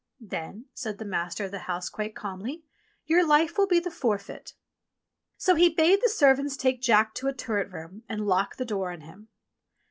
"Then," said the master of the house quite calmly, "your life will be the forfeit." So he bade the servants take Jack to a turret room and lock the door on him.